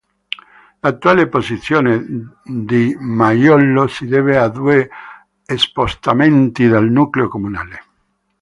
L'attuale posizione di Maiolo si deve a due spostamenti del nucleo comunale.